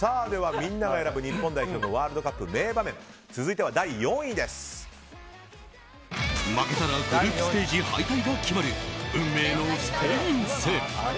みんなが選ぶ日本代表のワールドカップ名場面負けたらグループステージ敗退が決まる運命のスペイン戦。